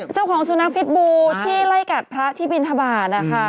เจ้าของสุนัขพิษบูที่ไล่กัดพระที่บินทบาทนะคะ